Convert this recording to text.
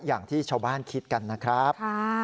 อย่างที่ชาวบ้านคิดกันนะครับ